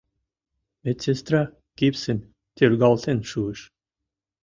Медсестра гипсым тӧргалтен шуыш.